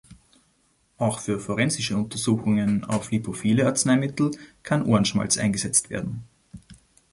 Auch für forensische Untersuchungen auf lipophile Arzneimittel kann Ohrenschmalz eingesetzt werden.